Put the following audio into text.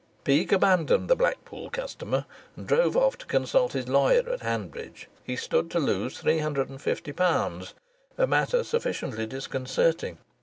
Peake abandoned the Blackpool customer and drove off to consult his lawyer at Hanbridge; he stood to lose three hundred and fifty pounds, a matter sufficiently disconcerting.